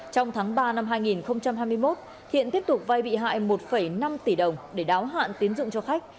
trong tháng ba năm hai nghìn hai mươi một thiện tiếp tục vay bị hại một năm tỷ đồng để đáo hạn tiến dụng cho khách